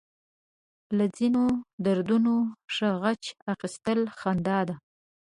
له ځينو دردونو ښه غچ اخيستل خندا ده.